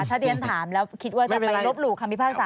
ถ้าที่ฉันถามแล้วคิดว่าจะไปลบหลู่คำพิพากษา